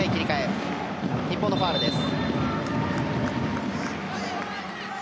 日本のファウルです。